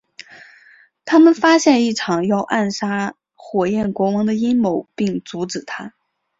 他们发现一场要暗杀火焰国王的阴谋并阻止它。